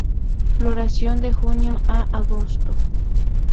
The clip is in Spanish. Floración de junio a agosto.